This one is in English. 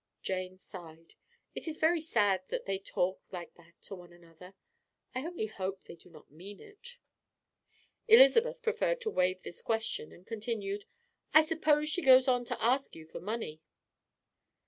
Jane sighed. "It is very sad that they talk like that to one another; I only hope they do not mean it." Elizabeth preferred to waive this question, and continued: "I suppose she goes on to ask you for money?"